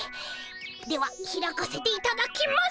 では開かせていただきます。